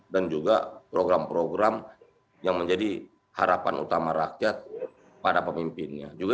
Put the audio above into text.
dan juga program program yang menjadi harapan utama rakyat pada pemimpinnya